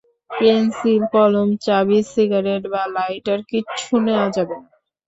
Pencil, কলম, চাবি, cigarette বা লাইটার, কিচ্ছু নেয়া যাবে না।